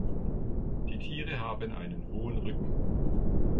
Die Tiere haben einen hohen Rücken.